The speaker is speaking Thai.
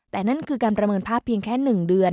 แต่นั่นคือการประเมินภาพเพียงแค่๑เดือน